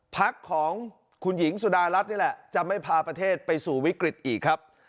พักของคุณหญิงสุดารัฐนี่แหละจะไม่พาประเทศไปสู่วิกฤตอีกครับ